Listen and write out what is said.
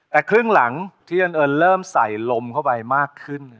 แต่ครึ่งหลังที่เอิญเริ่มใส่ลมเข้าไปมากขึ้น